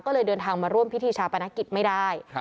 ก็เลยเดินทางมาร่วมพิธีชาปนกิจไม่ได้